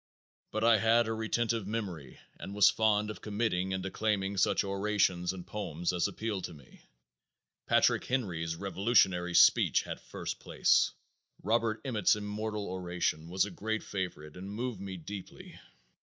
But I had a retentive memory and was fond of committing and declaiming such orations and poems as appealed to me. Patrick Henry's revolutionary speech had first place. Robert Emmet's immortal oration was a great favorite and moved me deeply.